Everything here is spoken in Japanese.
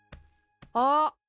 あっ。